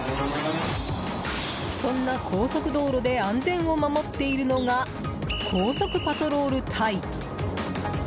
そんな高速道路で安全を守っているのが高速パトロール隊。